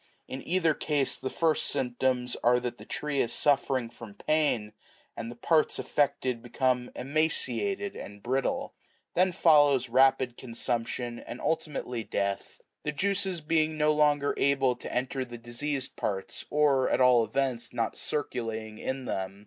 In either case the first symptoms are that the tree is suffering from pain, and the parts affected be come emaciated and brittle ; then follows rapid consumption and ultimately death ; the juices being no longer able to enter the diseased parts, or, at all events, not circulating in them.